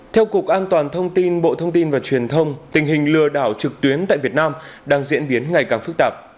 theo cục an toàn thông tin bộ thông tin và truyền thông tình hình lừa đảo trực tuyến tại việt nam đang diễn biến ngày càng phức tạp